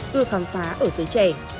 cứ khám phá ở dưới trẻ